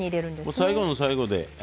最後の最後で。